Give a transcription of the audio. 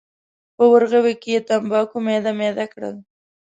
په ورغوي کې یې تنباکو میده میده کړل.